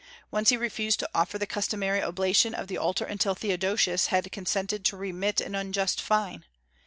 Once he refused to offer the customary oblation of the altar until Theodosius had consented to remit an unjust fine.